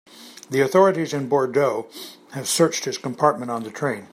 The authorities in Bordeaux have searched his compartment on the train.